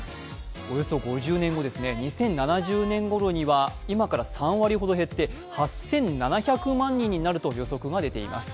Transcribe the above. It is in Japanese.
およそ５０年後、２０７０年ごろには今から３割ほど減って８７００万人になるとの予測が出ています。